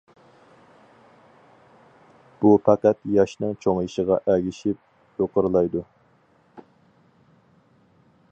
بۇ پەقەت ياشنىڭ چوڭىيىشىغا ئەگىشىپ يۇقىرىلايدۇ.